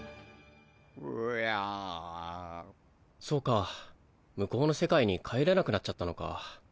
そうか向こうの世界に帰れなくなっちゃったのか。